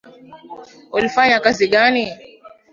Ulifanya kazi gani?